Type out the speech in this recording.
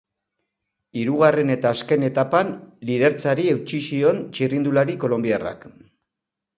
Hirugarren eta azken etapan lidertzari eutsi zion txirrindulari kolonbiarrak.